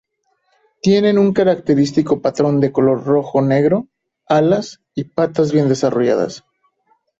Tienen un característico patrón de color rojo-negro, alas y patas bien desarrolladas.